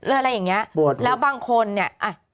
อะไรอย่างนี้แล้วบางคนเนี่ย